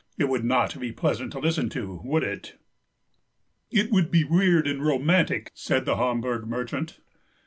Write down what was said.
It would not be pleasant to listen to, would it?" "It would be weird and romantic," said the Hamburg merchant.